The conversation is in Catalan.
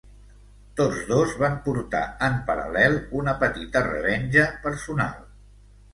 Tots dos van portar en paral·lel una petita revenja personal.